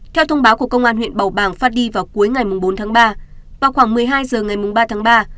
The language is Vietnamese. theo thông báo của công an huyện bầu bàng phát đi vào cuối ngày bốn tháng ba vào khoảng một mươi hai h ngày ba tháng ba